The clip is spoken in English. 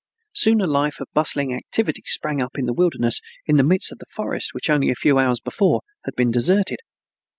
Soon a life of bustling activity sprang up in the wilderness, in the midst of the forest which only a few hours before had been deserted.